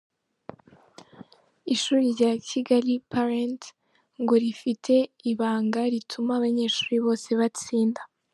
Ishuri rya Kigaki palenti ngo rifite ibanga rituma abanyeshuri bose batsinda